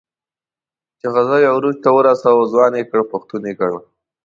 چې غزل یې عروج ته ورساوه، ځوان یې کړ، پښتون یې کړ.